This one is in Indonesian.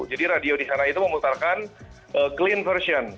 jadi radio di sana itu memutarkan clean version